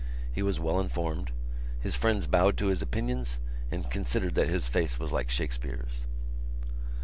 He was well informed. His friends bowed to his opinions and considered that his face was like Shakespeare's.